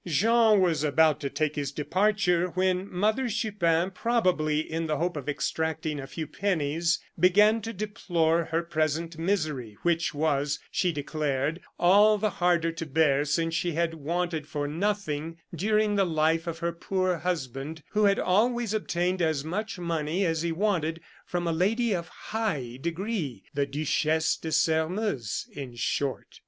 Jean was about to take his departure when Mother Chupin, probably in the hope of extracting a few pennies, began to deplore her present misery, which was, she declared, all the harder to bear since she had wanted for nothing during the life of her poor husband, who had always obtained as much money as he wanted from a lady of high degree the Duchesse de Sairmeuse, in short.